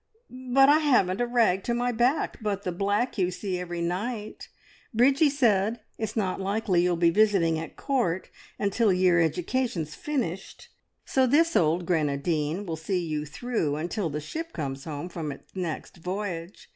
"But I haven't a rag to my back but the black you see every night! Bridgie said, `It's not likely you'll be visiting at Court until ye're education's finished, so this old grenadine will see you through until the ship comes home from its next voyage.